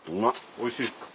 おいしいですか。